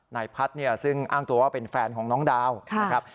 นายพัฒน์เนี่ยซึ่งอ้างตัวว่าเป็นแฟนของน้องดาวนะครับ